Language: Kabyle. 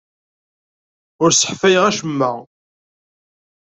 Ur sseḥfayeɣ acemma.